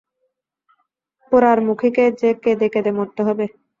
পোড়ারমুখিকে যে কেঁদে কেঁদে মরতে হবে।